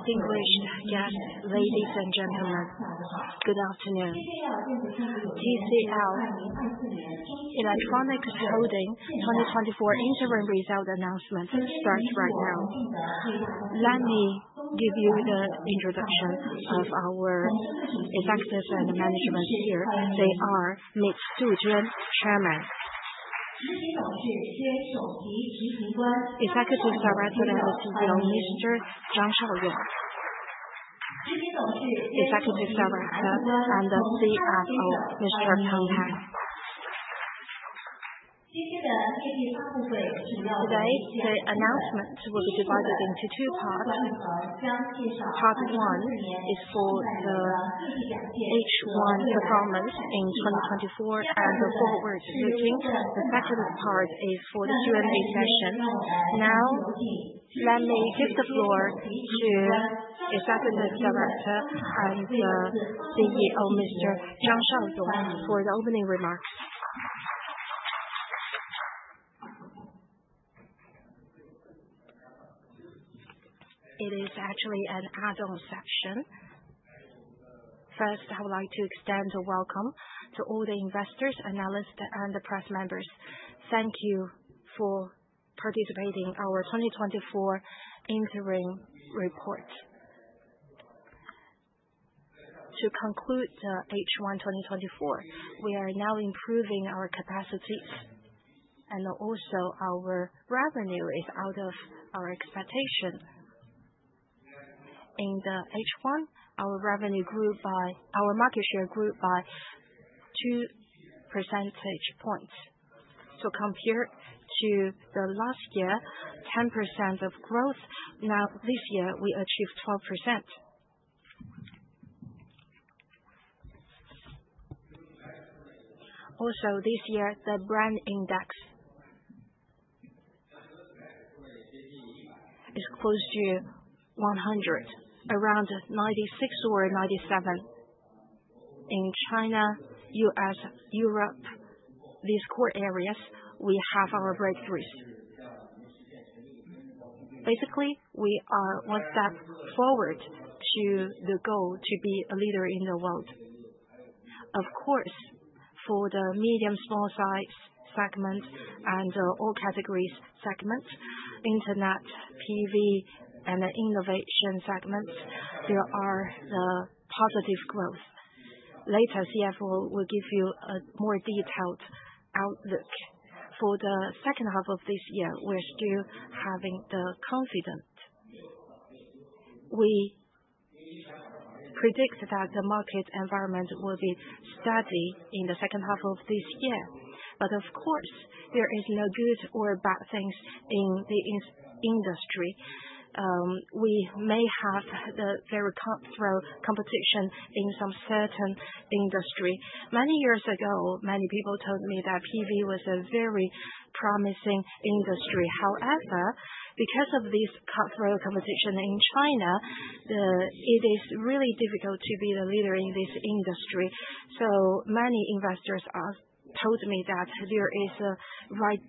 Distinguished guests, ladies and gentlemen, good afternoon. TCL Electronics Holdings twenty twenty-four interim results announcement starts right now. Let me give you the introduction of our executives and management here. They are Ms. Du Juan, Chairman; Executive Director and the CEO, Mr. Zhang Shaoyong; Executive Director and the CFO, Mr. Peng Pan. Today, the announcement will be divided into two parts. Part one is for the H1 performance in twenty twenty-four and the forward looking. The second part is for the Q&A session. Now, let me give the floor to Executive Director and the CEO, Mr. Zhang Shaoyong, for the opening remarks. It is actually an adult section. First, I would like to extend a welcome to all the investors, analysts, and the press members. Thank you for participating in our twenty twenty-four interim report. To conclude the H1 2024, we are now improving our capacities, and also our revenue is out of our expectation. In the H1, our market share grew by two percentage points. So compared to the last year, 10% growth. Now, this year, we achieved 12%. Also, this year, the brand index is close to 100, around 96 or 97. In China, U.S., Europe, these core areas, we have our breakthroughs. Basically, we are one step forward to the goal to be a leader in the world. Of course, for the medium, small size segment and all categories segments, internet, PV, and the innovation segments, there are positive growth. Later, CFO will give you a more detailed outlook. For the second half of this year, we're still having the confidence. We predict that the market environment will be steady in the second half of this year, but of course, there is no good or bad things in the industry. We may have the very cutthroat competition in some certain industry. Many years ago, many people told me that PV was a very promising industry. However, because of this cutthroat competition in China, it is really difficult to be the leader in this industry. So many investors told me that there is a right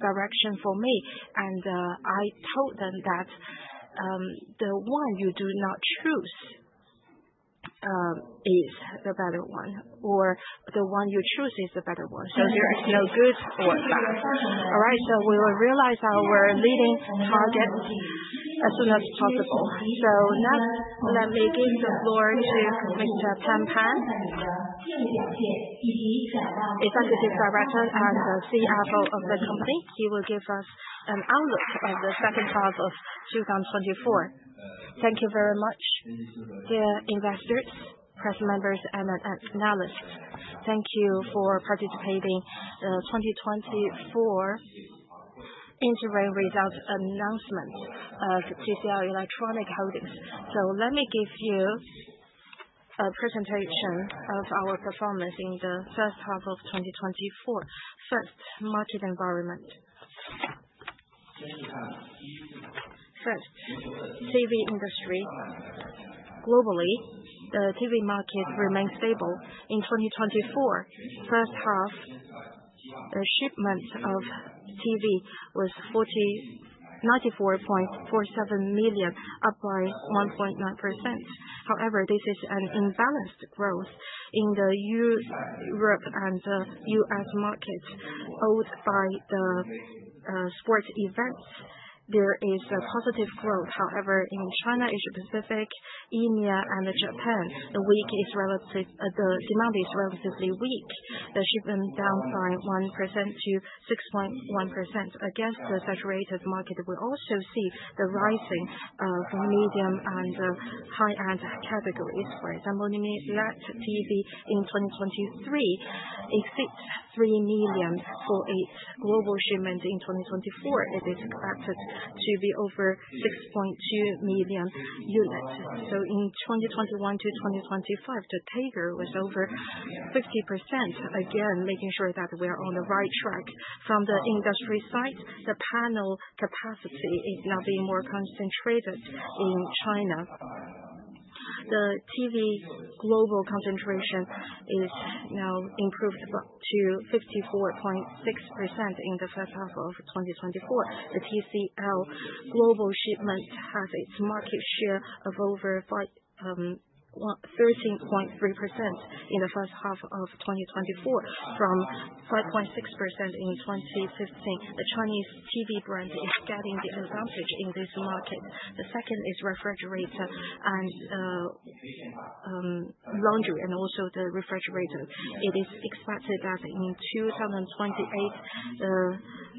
direction for me, and I told them that the one you do not choose is the better one, or the one you choose is the better one. So there is no good or bad. All right, so we will realize our leading target as soon as possible. So now, let me give the floor to Mr. Peng Pan. Executive Director and the CFO of the company. He will give us an outlook of H2 of 2024. Thank you very much. Dear investors, press members, and analysts, thank you for participating, 2024 interim results announcement of TCL Electronics Holdings. So let me give you a presentation of our performance in the first half of 2024. First, market environment. First, TV industry. Globally, the TV market remains stable. In 2024, first half, the shipments of TV was 49.47 million, up by 1.9%. However, this is an imbalanced growth in Europe and the US markets, both by the sports events. There is a positive growth. However, in China, Asia Pacific, India, and Japan, the demand is relatively weak. The shipment down by 1% to 6.1%. Against the saturated market, we also see the rising of the medium and the high-end categories. For example, Mini LED TV in 2023 is 63 million for a global shipment. In 2024, it is expected to be over 6.2 million units. So in 2021 to 2025, the CAGR was over 50%. Again, making sure that we're on the right track. From the industry side, the panel capacity is now being more concentrated in China. The TV global concentration is now improved up to 54.6% in H1 of 2024. The TCL global shipment has its market share of over five, thirteen point three percent in H1 of 2024, from 5.6% in 2015. The Chinese TV brand is getting the advantage in this market. The second is refrigerator and laundry, and also the refrigerator. It is expected that in 2028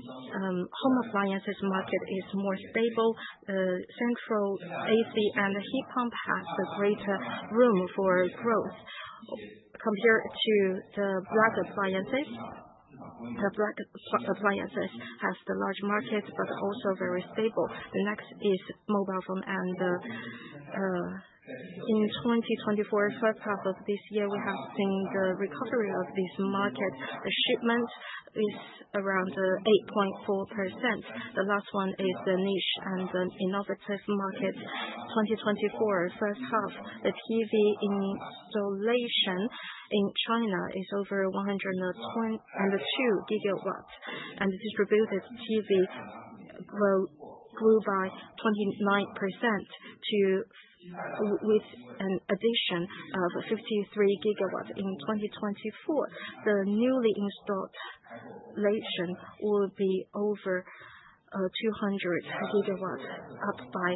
home appliances market is more stable. The central AC and the heat pump has a greater room for growth. Compared to the black appliances, the black appliances has the large market, but also very stable. The next is mobile phone and in 2024, H1 of this year, we have seen the recovery of this market. The shipment is around 8.4%. The last one is the niche and the innovative market. 2024, H1, the PV installation in China is over 122 GW, and distributed PV grew by 29% to with an addition of 53GW. In 2024, the newly installed capacity will be over 200 GW, up by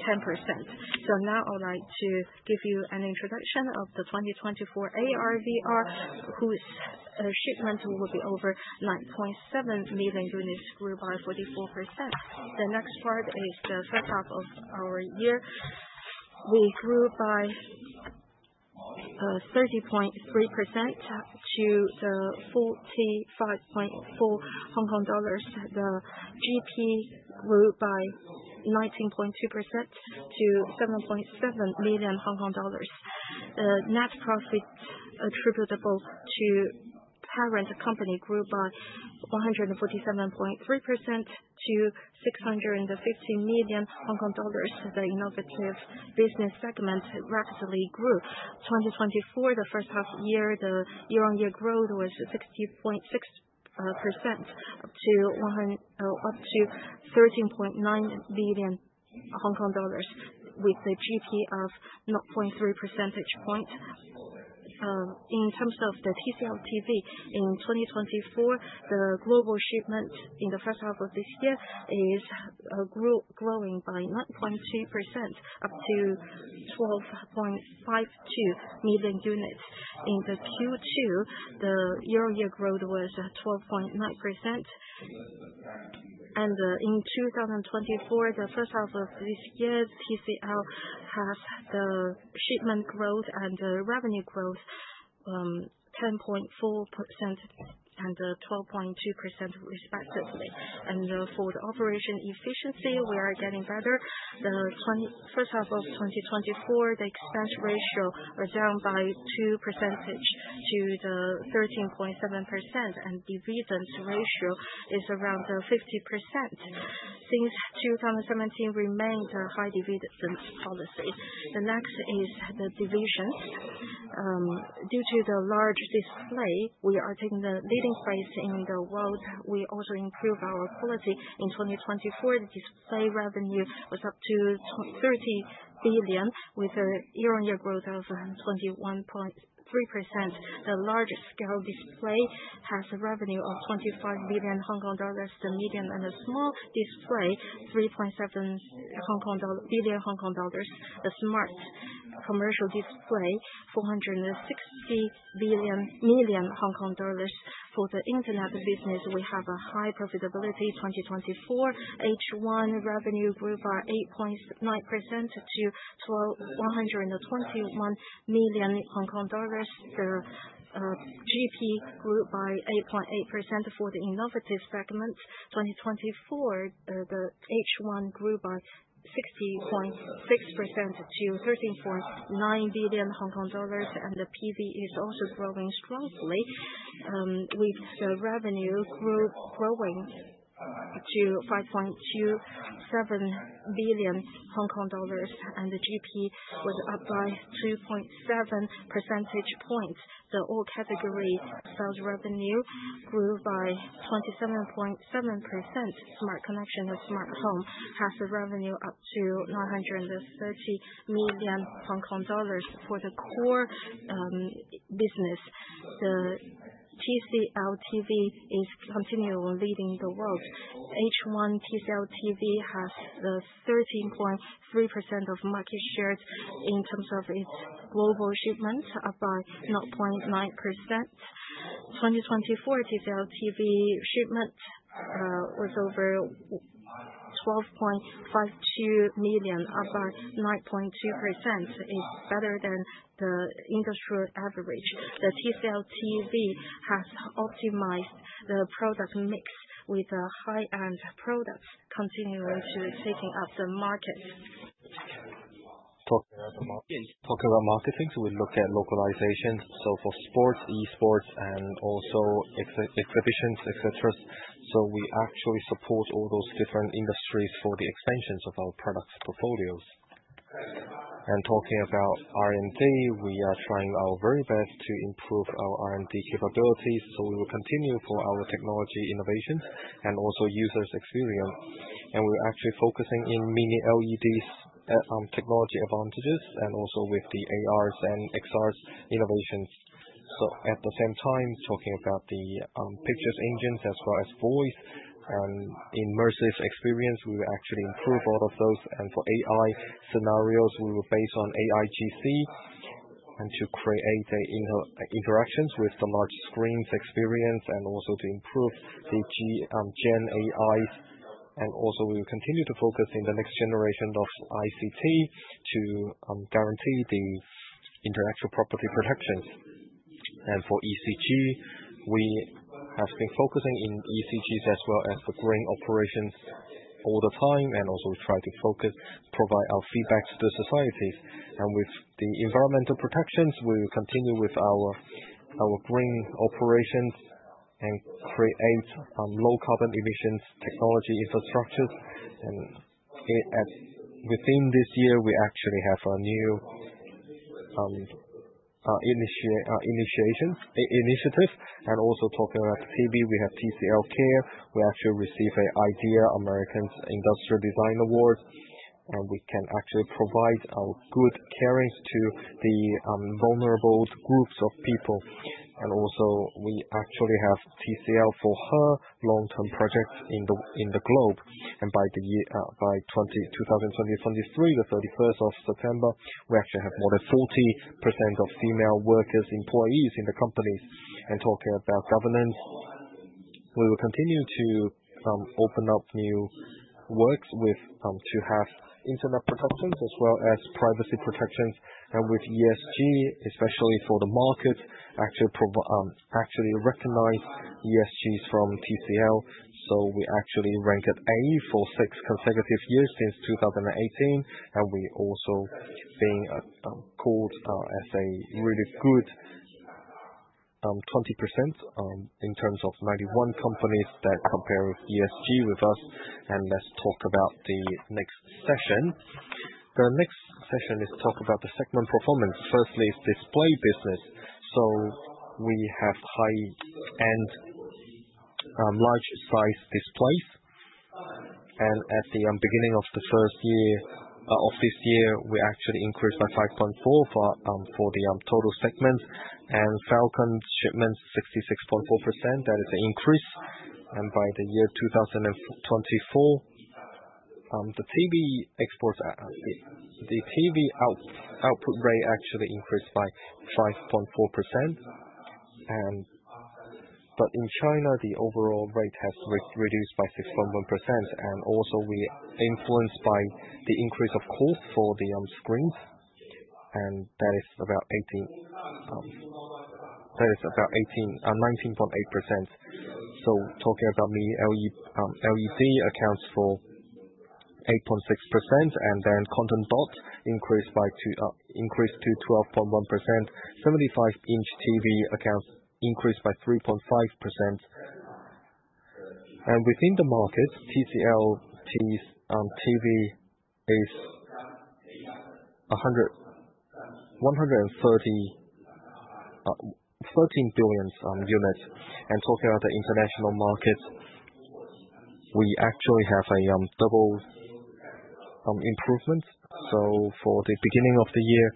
10%. So now I'd like to give you an introduction of the 2024 AR/VR, whose shipment will be over 9.7 million units, grew by 44%. The next part is H1 of our year. We grew by 30.3% to the 45.4 Hong Kong dollars. The GP grew by 19.2% to 7.7 million Hong Kong dollars. The net profit attributable to parent company grew by 147.3% to 650 million Hong Kong dollars. The innovative business segment rapidly grew. 2024, the first half year, the year-on-year growth was 60.6%, up to 100%, up to 13.9 billion, with the GP of 0.3 percentage point. In terms of the TCL TV, in 2024, the global shipment in the first half of this year is growing by 9.2%, up to 12.52 million units. In the Q2, the year-on-year growth was 12.9%. In 2024, H1 of this year, TCL has the shipment growth and the revenue growth and 12.2% respectively. For the operation efficiency, we are getting better. The first half of 2024, the expense ratio was down by 2 percentage points to 13.7%, and dividend ratio is around 50%. Since 2017 remains a high dividend policy. The next is the divisions. Due to the large display, we are taking the leading place in the world. We also improve our quality. In 2024, the display revenue was up to 30 billion, with a year-on-year growth of 21.3%. The large scale display has a revenue of 25 billion Hong Kong dollars. The medium and the small display, 3.7 billion Hong Kong dollar. The smart commercial display, 460 million Hong Kong dollars. For the internet business, we have a high profitability. 2024, H1 revenue grew by 8.9% to 12.121 billion Hong Kong dollars. The GP grew by 8.8% for the innovative segment. 2024, H1 grew by 60.6% to 13.9 billion Hong Kong dollars, and the PV is also growing strongly, with revenue growing to 5.27 billion Hong Kong dollars, and the GP was up by 2.7 percentage points. The all category sales revenue grew by 27.7%. Smart connection or smart home has a revenue up to 930 million Hong Kong dollars. For the core business, the TCL TV is continually leading the world. H1 TCL TV has 13.3% of market share in terms of its global shipments, up by 0.9%. 2024, TCL TV shipment was over 12.52 million, up by 9.2%. It's better than the industry average. The TCL TV has optimized the product mix with the high-end products continuing to taking up the market. Talk about marketing, so we look at localization, so for sports, e-sports, and also exhibitions, etc. So we actually support all those different industries for the expansions of our products portfolios. And talking about R&D, we are trying our very best to improve our R&D capabilities, so we will continue for our technology innovation and also users' experience. And we're actually focusing in Mini-LEDs technology advantages, and also with the ARs and XRs innovations. So at the same time, talking about the pictures engines as well as voice and immersive experience, we will actually improve all of those. And for AI scenarios, we will base on AIGC, and to create interactions with the large screens experience, and also to improve Gen AI. We will continue to focus on the next generation of ICT to guarantee the intellectual property protections. For ESG, we have been focusing on ESGs as well as the green operations all the time, and also try to focus and provide our feedback to the societies. With the environmental protections, we will continue with our green operations and create low carbon emissions technology infrastructures. Within this year, we actually have a new initiative. Talking about TV, we have TCL Care. We actually received an IDEA, American Industrial Design Award, and we can actually provide good caring to the vulnerable groups of people. We actually have TCL for Her long-term project in the globe. By the year 2023, the September 31, we actually have more than 40% of female workers, employees in the company. Talking about governance, we will continue to open up new works with to have internet protections as well as privacy protections. With ESG, especially for the market, actually recognize ESGs from TCL. So we actually ranked at A for six consecutive years, since 2018, and we also being called as a really good 20% in terms of 91 companies that compare ESG with us. Let's talk about the next session. The next session is talk about the segment performance. Firstly, is display business. So we have high-end large size displays. At the beginning of the first year of this year, we actually increased by 5.4% for the total segment, and Falcon's shipments 66.4%, that is an increase. By the year 2024, the TV exports, the TV output rate actually increased by 5.4%. In China, the overall rate has reduced by 6.1%, and also we are influenced by the increase of cost for the screens, and that is about 18, that is about 19.8%. Talking about Mini LED, accounts for 8.6%, and then Quantum Dot increased to 12.1%. 75" TV accounts increased by 3.5%. Within the market, TCL TV is 113 billion units. Talking about the international market, we actually have a double improvement. For the beginning of the year,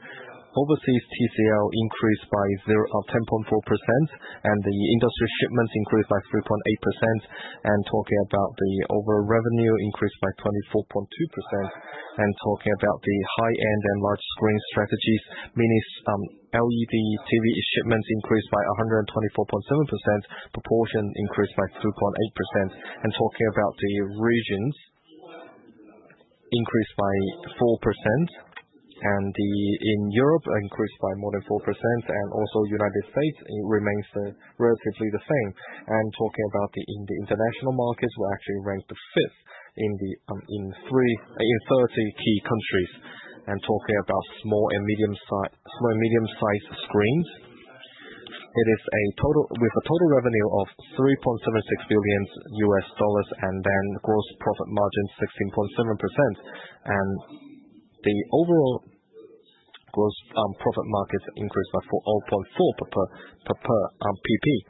overseas TCL increased by 10.4%, and the industry shipments increased by 3.8%. Talking about the overall revenue, increased by 24.2%. Talking about the high-end and large screen strategies, Mini LED TV shipments increased by 124.7%, proportion increased by 2.8%. Talking about the regions, increased by 4%, and in Europe, increased by more than 4%, and also United States, it remains relatively the same. And talking about the international markets, we actually ranked 5th in 30 key countries. Talking about small and medium-sized screens, it is with a total revenue of $3.76 billion, and then gross profit margin 16.7%. And the overall gross profit margin increased by 4.04 percentage points.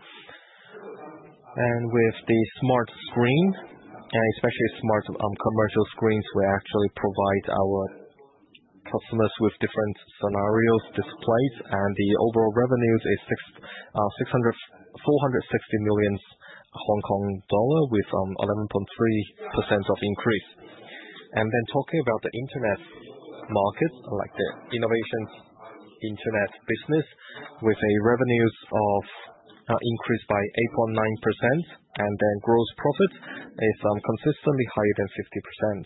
And with the smart screen, and especially smart commercial screens, we actually provide our customers with different scenarios displays, and the overall revenue is 640 million Hong Kong dollar with 11.3% increase. Talking about the internet market, like the innovations internet business, with revenues of increase by 8.9%, and then gross profit is consistently higher than 50%.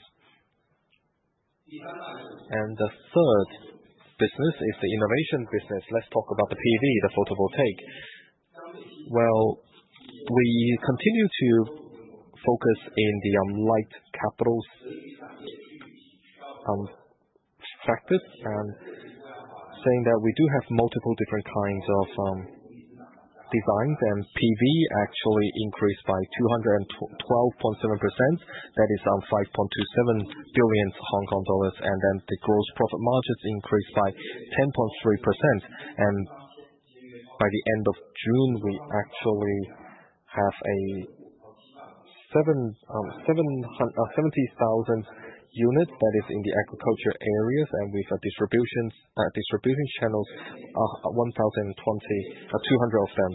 The third business is the innovation business. Let's talk about the PV, the photovoltaic. We continue to focus in the low-capital factors, and saying that we do have multiple different kinds of designs and PV actually increased by 12.7%. That is 5.27 billion Hong Kong dollars, and then the gross profit margins increased by 10.3%. By the end of June, we actually have 770,000 units that is in the agriculture areas, and with distribution channels 1,200 of them.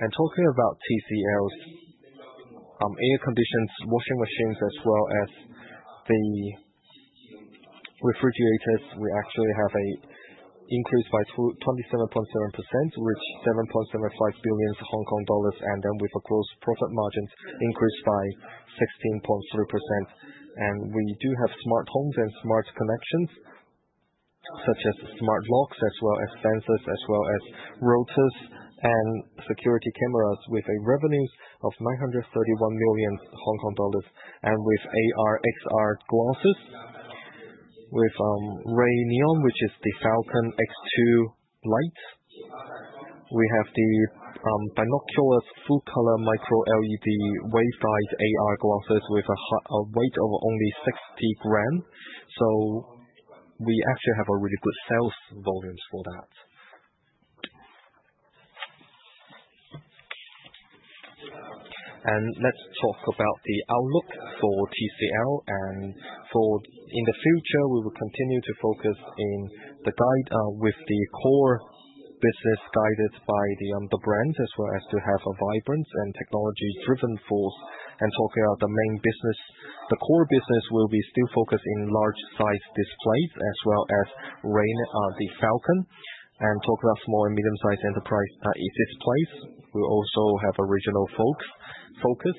Talking about TCL's air conditioners, washing machines, as well as the refrigerators, we actually have an increase by 27.7%, which 7.75 billion Hong Kong dollars, and then with gross profit margins increased by 16.3%. We do have smart homes and smart connections, such as smart locks, as well as sensors, as well as routers and security cameras with revenues of 931 million Hong Kong dollars, and with AR/XR glasses, with RayNeo, which is the Falcon X2 Lite. We have the binocular full color micro LED wave guide AR glasses with a weight of only 60g. We actually have really good sales volumes for that. Let's talk about the outlook for TCL, and for in the future, we will continue to focus in the guide with the core business, guided by the brands, as well as to have a vibrant and technology-driven force. Talking about the main business, the core business will be still focused in large-size displays, as well as RayNeo, the Falcon. Talking about small and medium-sized enterprise displays, we'll also have a regional focus.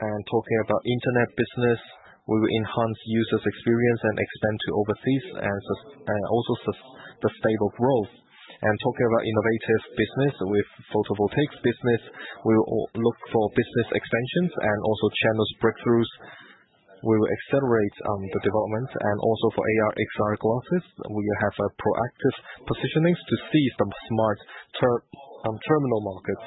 Talking about internet business, we will enhance users' experience and expand to overseas and sustainable growth. Talking about innovative business with photovoltaics business, we will look for business extensions and also channel breakthroughs. We will accelerate the development, and also for AR/XR glasses, we have a proactive positioning to seize the smart terminal market.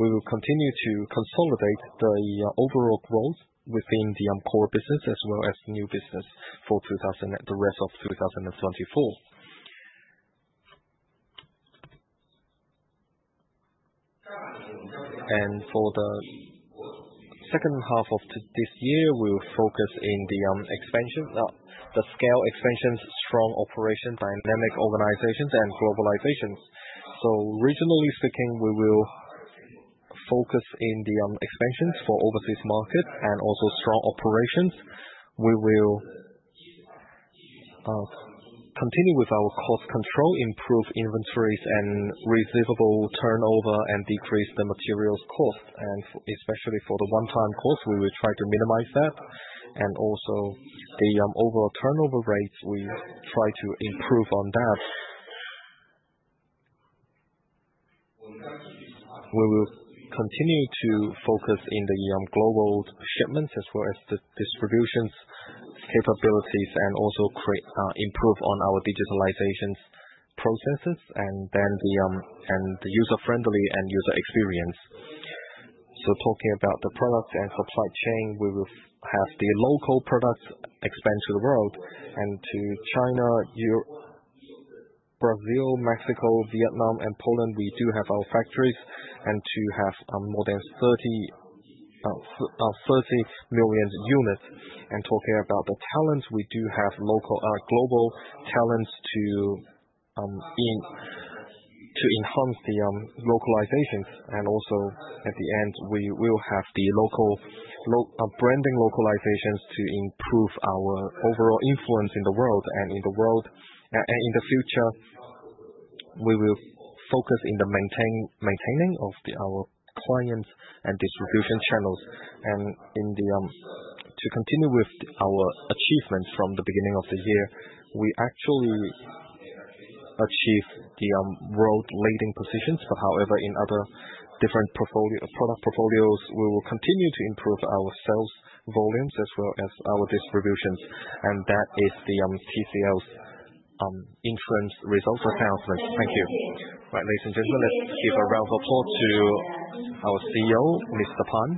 We will continue to consolidate the overall growth within the core business as well as new business for the rest of 2024. For the second half of this year, we will focus in the expansion, the scale expansions, strong operations, dynamic organizations, and globalizations. Regionally speaking, we will focus in the expansions for overseas markets and also strong operations. We will continue with our cost control, improve inventories and receivable turnover, and decrease the materials cost, and especially for the one-time cost, we will try to minimize that. Also the overall turnover rates, we try to improve on that. We will continue to focus in the global shipments as well as the distributions, capabilities, and also create, improve on our digitalizations processes, and then the, and the user-friendly and user experience. Talking about the products and supply chain, we will f- have the local products expand to the world and to China, Europe, Brazil, Mexico, Vietnam, and Poland. We do have our factories, and to have more than 30, th- 30 million units. Talking about the talents, we do have local, global talents to, in, to enhance the localizations. Also, at the end, we will have the local, lo- branding localizations to improve our overall influence in the world. In the world, a- and in the future, we will focus in the maintain- maintaining of the our clients and distribution channels. And in the to continue with our achievements from the beginning of the year, we actually achieved the world-leading positions. But however, in other different portfolio, product portfolios, we will continue to improve our sales volumes as well as our distributions, and that is the TCL's interim results and announcements. Thank you. Right, ladies and gentlemen, let's give a round of applause to our CEO, Mr. Pan,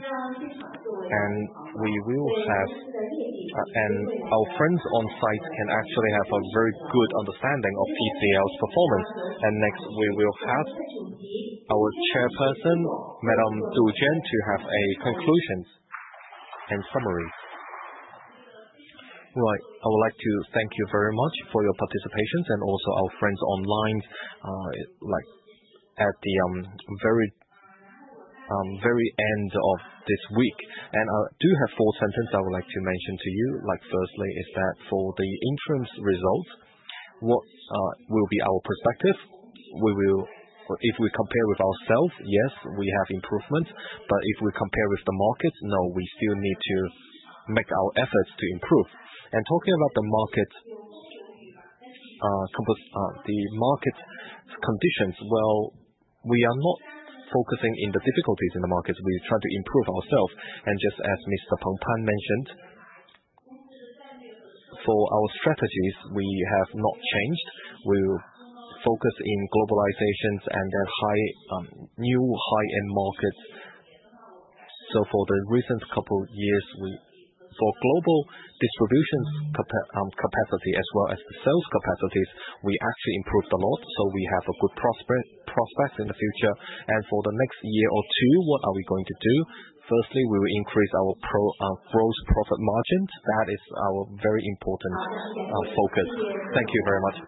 and we will have. And our friends on site can actually have a very good understanding of TCL's performance. And next, we will have our chairperson, Madam Du Juan, to have a conclusion and summary. Right. I would like to thank you very much for your participation and also our friends online. Like, at the very, very end of this week, and I do have four sentences I would like to mention to you. Like, firstly, is that for the interim results, what, will be our perspective? We will if we compare with ourselves, yes, we have improvements, but if we compare with the market, no, we still need to make our efforts to improve, and talking about the market, the market conditions, well, we are not focusing in the difficulties in the markets. We try to improve ourselves, and just as Mr. Peng Pan mentioned, for our strategies, we have not changed. We will focus in globalization and the high, new high-end markets, so for the recent couple years, for global distribution capacity as well as the sales capacities, we actually improved a lot, so we have a good prospect in the future, and for the next year or two, what are we going to do? Firstly, we will increase our gross profit margins. That is our very important focus. Thank you very much.